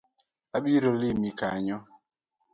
Abiro limi kanyo